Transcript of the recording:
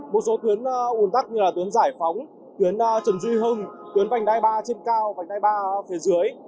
một số tuyến ủn tắc như là tuyến giải phóng tuyến trần duy hưng tuyến vành đai ba trên cao vành đai ba phía dưới